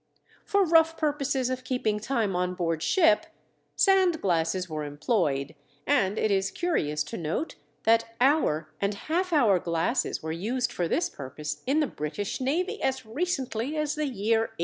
For rough purposes of keeping time on board ship, sand glasses were employed and it is curious to note that hour and half hour glasses were used for this purpose in the British navy as recently as the year 1839.